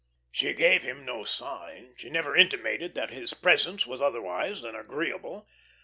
She gave him no sign; she never intimated that his presence was otherwise than agreeable.